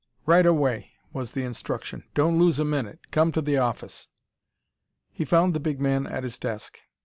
"Right away," was the instruction; "don't lose a minute. Come to the office." He found the big man at his desk.